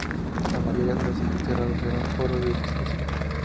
La mayoría de los sitios cerrados eran foros de discusión.